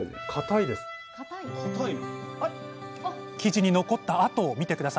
生地に残った跡を見て下さい。